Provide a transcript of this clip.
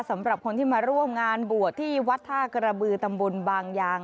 สำหรับคนที่มาร่วมงานบวชที่วัดท่ากระบือตำบลบางยาง